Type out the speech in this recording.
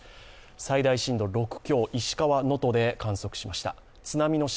最大震度６強、石川・能登で観測しました。